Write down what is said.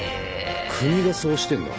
国がそうしてんだ。